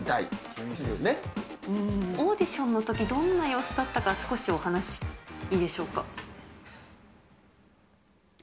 オーディションのとき、どんな様子だったか、少しお話いいでしょうか。